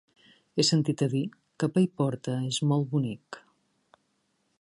He sentit a dir que Paiporta és molt bonic.